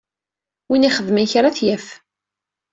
Win ixedmen kra ad t-yaf.